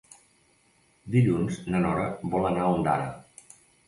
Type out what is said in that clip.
Dilluns na Nora vol anar a Ondara.